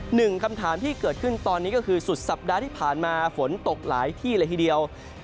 หนึ่งคำถามที่เกิดขึ้นตอนนี้ก็คือสุดสัปดาห์ที่ผ่านมาฝนตกหลายที่เลยทีเดียว